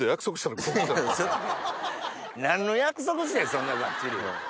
そんながっちり。